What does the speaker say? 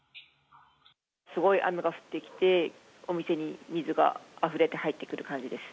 すごい雨が降ってきて、お店に水があふれて入ってくる感じです。